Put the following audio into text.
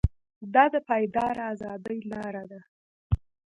دا د پایداره ازادۍ لاره ده.